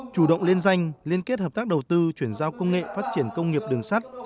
chủ động liên danh liên kết hợp tác đầu tư chuyển giao công nghệ phát triển công nghiệp đường sắt